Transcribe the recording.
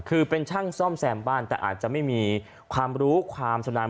คือเป็นช่างซ่อมแซมบ้านแต่อาจจะไม่มีความรู้ความสนาน